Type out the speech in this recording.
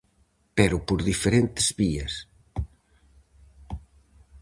Pero por diferentes vías.